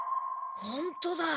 ほんとだ。